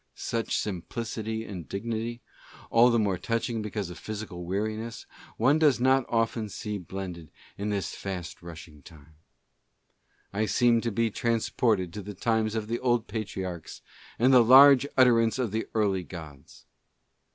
Such simplicity and such dignity, all the more touching because of physical weariness, one does not ::":tn see blended in I b e fost rnshing time. I seemed to be transported to the times of the old patriarchs, and the large utterance of the early gods."